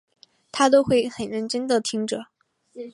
她都会很认真地听着